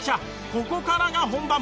ここからが本番。